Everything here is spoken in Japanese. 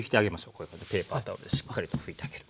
こういうふうにペーパータオルでしっかりと拭いてあげる。